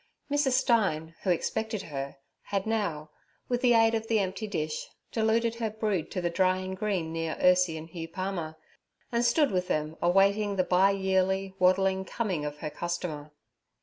Mrs. Stein, who expected her, had now, with the aid of the empty dish, deluded her brood to the drying green near Ursie and Hugh Palmer, and stood with them awaiting the bi yearly, waddling coming of her customer.